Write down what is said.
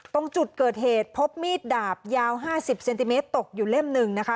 ตรงจุดเกิดเหตุพบมีดดาบยาว๕๐เซนติเมตรตกอยู่เล่มหนึ่งนะคะ